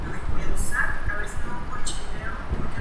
Apareció en las dos últimas tres veces.